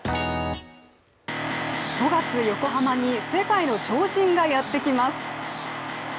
５月、横浜に世界の超人がやってきます。